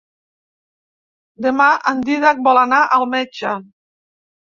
Demà en Dídac vol anar al metge.